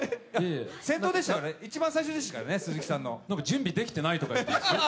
先頭でしたからね、一番最初でしたから鈴木さんは。準備できてないとかって。